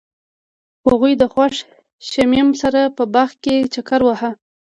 هغوی د خوښ شمیم سره په باغ کې چکر وواهه.